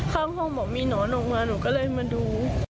ข้างห้องบอกมีหนอนออกมาหนูก็เลยมาดู